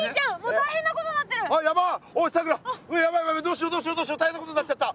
大変なことになっちゃった！